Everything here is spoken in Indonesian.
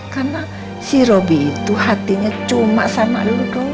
karena si robi itu hatinya cuma sama lu doang